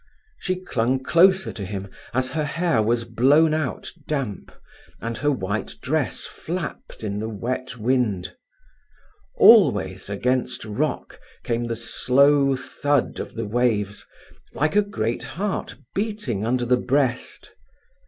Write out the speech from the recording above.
She clung closer to him, as her hair was blown out damp, and her white dress flapped in the wet wind. Always, against the rock, came the slow thud of the waves, like a great heart beating under the breast.